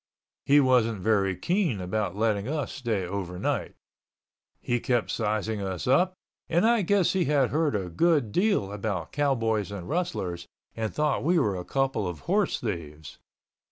He wasn't very keen about letting us stay overnight. He kept sizing us up and I guess he had heard a good deal about cowboys and rustlers and thought we were a couple of horse thieves.